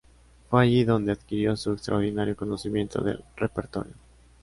Fue allí donde adquirió su extraordinario conocimiento del repertorio.